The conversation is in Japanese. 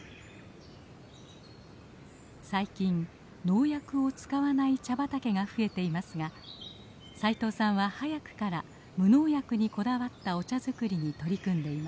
最近農薬を使わない茶畑が増えていますが斉藤さんは早くから無農薬にこだわったお茶作りに取り組んでいます。